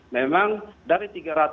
memang dari tiga ratus